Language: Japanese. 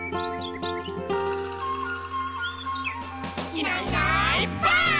「いないいないばあっ！」